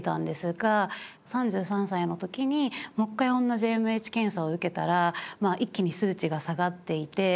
３３歳の時にもう一回同じＡＭＨ検査を受けたらまあ一気に数値が下がっていて。